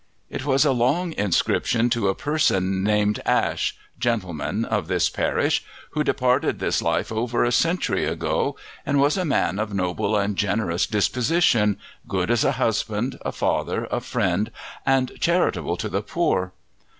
It was a long inscription to a person named Ash, gentleman, of this parish, who departed this life over a century ago, and was a man of a noble and generous disposition, good as a husband, a father, a friend, and charitable to the poor.